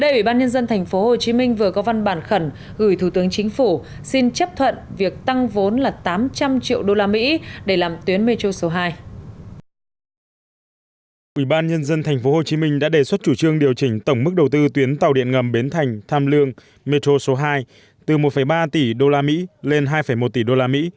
ủy ban nhân dân tp hcm đã đề xuất chủ trương điều chỉnh tổng mức đầu tư tuyến tàu điện ngầm bến thành tham lương metro số hai từ một ba tỷ usd lên hai một tỷ usd